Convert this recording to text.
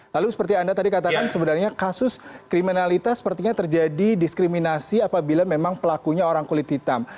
lalu seperti anda tadi katakan sebenarnya kasus kriminalitas sepertinya terjadi diskriminasi apabila memang pelakunya orang kulit hitam